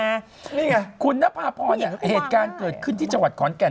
นี่ไงคุณนภาพรเนี่ยเหตุการณ์เกิดขึ้นที่จังหวัดขอนแก่น